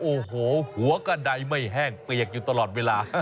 โอ้โหหัวกระดายไม่แห้งเปียกอยู่ตลอดเวลา